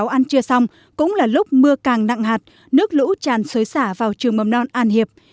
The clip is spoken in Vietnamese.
trường mầm non chưa xong cũng là lúc mưa càng nặng hạt nước lũ tràn xuối xả vào trường mầm non an hiệp